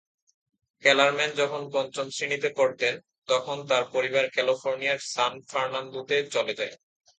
Kellerman যখন পঞ্চম শ্রেণীতে পড়তেন, তখন তার পরিবার ক্যালিফোর্নিয়ার সান ফার্নান্দোতে চলে যায়।